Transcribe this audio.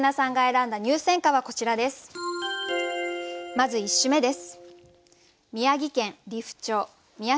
まず１首目です。